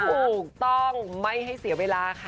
ถูกต้องไม่ให้เสียเวลาค่ะ